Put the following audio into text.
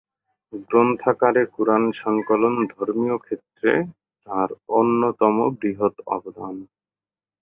গ্রন্থাকারে Quran সংকলন ধর্মীয় ক্ষেত্রে তার অন্যতম বৃহৎ অবদান।